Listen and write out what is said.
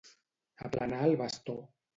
Aplanar el bastó.